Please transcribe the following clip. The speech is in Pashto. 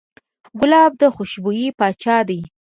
ګلاب د خوشبویو پاچا دی.